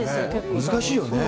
難しいよね。